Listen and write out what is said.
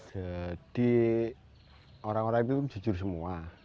jadi orang orang itu jujur semua